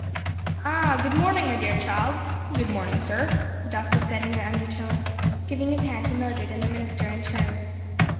"AH, good morning, my dear child! Good morning, sir," the doctor said in an undertone, giving his hand to Mildred and the minister in turn.